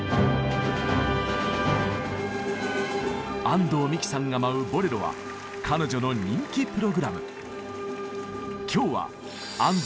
安藤美姫さんが舞う「ボレロ」は彼女の人気プログラム。